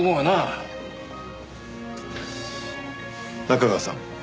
中川さん